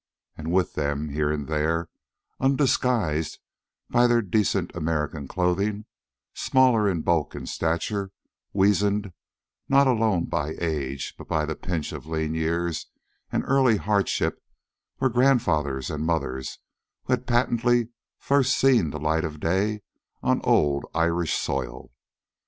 And with them, here and there, undisguised by their decent American clothing, smaller in bulk and stature, weazened not alone by age but by the pinch of lean years and early hardship, were grandfathers and mothers who had patently first seen the light of day on old Irish soil.